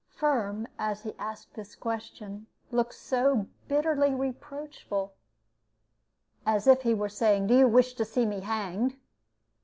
Firm, as he asked this question, looked so bitterly reproachful (as if he were saying, "Do you wish to see me hanged?")